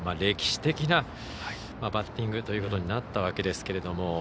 歴史的なバッティングということになったわけですけど。